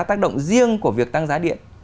tác động riêng của việc tăng giá điện